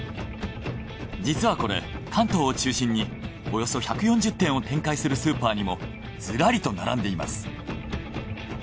実はこれ関東を中心におよそ１４０店を展開するスーパーにもずらりと並んでいます。